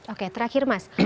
oke terakhir mas